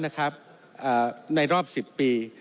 ในรอบ๑๐ปี